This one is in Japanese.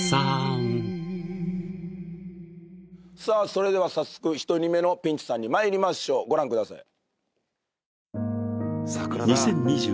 それでは早速１人目のピンチさんにまいりましょうご覧ください